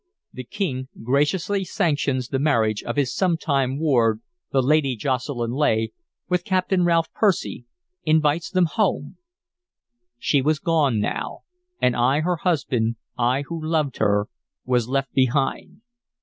"The King graciously sanctions the marriage of his sometime ward, the Lady Jocelyn Leigh, with Captain Ralph Percy; invites them home" She was gone home, and I her husband, I who loved her, was left behind.